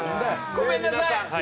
ごめんなさい。